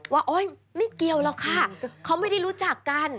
ว่าไม่เกี่ยวแล้วค่ะเขาไม่ได้รู้จักกัน